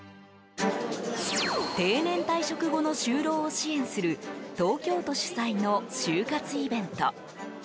定年退職後の就労を支援する東京都主催の就活イベント。